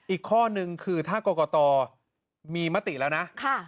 อีกข้อนึงคือถ้ากรกตมีมติแล้วนะ